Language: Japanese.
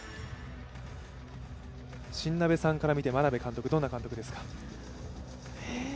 新鍋さんから見て、眞鍋監督はどんな監督ですか？